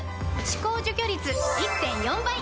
歯垢除去率 １．４ 倍！